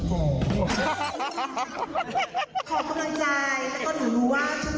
เพราะว่าการที่ใส่ชุดประจำชาติ